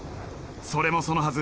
それもそのはず